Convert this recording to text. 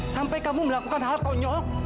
sampai kamu melakukan hal konyol